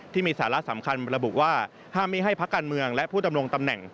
ที่มีสาระสำคัญระบุว่าห้ามไม่ให้พักการเมืองและผู้ดำรงตำแหน่ง